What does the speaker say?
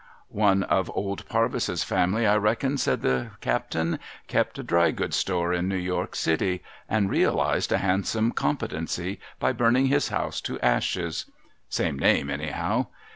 ' One of old Parvis's fam'ly I reckon,' said the captain, ' kept BEGINNING THE JOURNEY 241 a dry goods store in New York city, and realised a handsome competency by burning his house to ashes. vSnme name, anyhow.